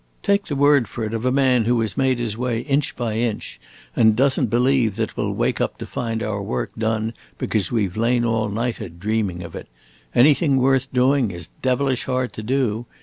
Take the word for it of a man who has made his way inch by inch, and does n't believe that we 'll wake up to find our work done because we 've lain all night a dreaming of it; anything worth doing is devilish hard to do!